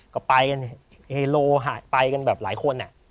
ก็ไปกันเฮโลหายไปกันแบบหลายคน